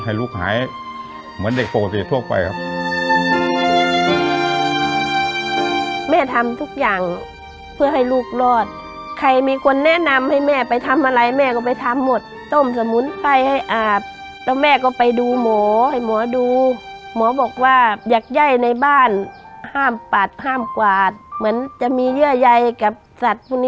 แม่ทำทุกอย่างเพื่อให้ลูกรอดใครมีคนแนะนำให้แม่ไปทำอะไรแม่ก็ไปทำหมดต้มสมุนไฟให้อาบแล้วแม่ก็ไปดูหมอให้หมอดูหมอบอกว่าอยากย่ายในบ้านห้ามปัดห้ามกวาดเหมือนจะมีเยื่อยัยกับสัตว์